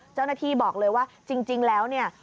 เจ้าหน้าที่บอกเลยว่าจริงแล้วเนี่ย